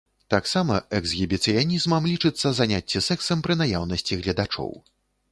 Таксама эксгібіцыянізмам лічыцца заняцце сексам пры наяўнасці гледачоў.